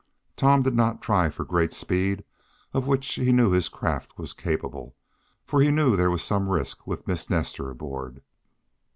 Tom did not try for the great speed of which he knew his craft was capable, for he knew there was some risk with Miss Nestor aboard.